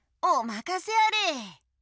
おまかせあれ！